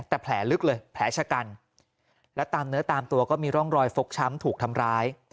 แต่แผลลึกเลยแผลชะกันและตามเนื้อตามตัวก็มีร่องรอยฟกช้ำถูกทำร้าย